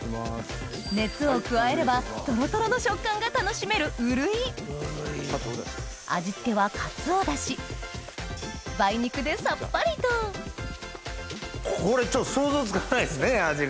熱を加えればトロトロの食感が楽しめるウルイ味付けは梅肉でさっぱりとこれちょっと想像つかないですね味が。